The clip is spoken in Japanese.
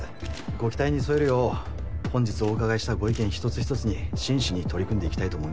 ご期待に添えるよう本日お伺いしたご意見一つ一つに真摯に取り組んでいきたいと思います。